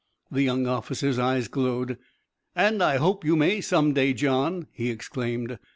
The young officer's eyes glowed. "And I hope you may some day, John!" he exclaimed.